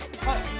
はい。